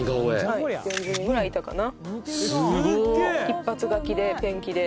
はい４０人ぐらいいたかな？